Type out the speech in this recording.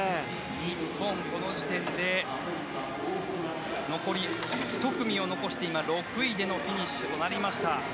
日本、この時点で残り１組を残して今、６位でのフィニッシュとなりました。